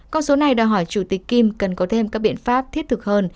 con số này đòi hỏi chủ tịch kim cần có thêm các biện pháp thiết thực hơn